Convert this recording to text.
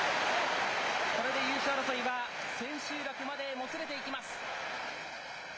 これで優勝争いは千秋楽までもつれていきます。